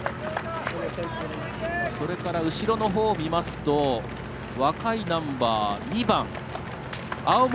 それから、後ろのほうを見ますと若いナンバー、２番。